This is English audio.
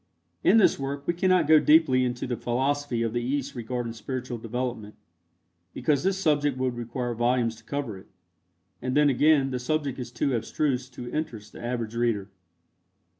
In this work we cannot go deeply into the philosophy of the East regarding spiritual development, because this subject would require volumes to cover it, and then again the subject is too abstruse to interest the average reader.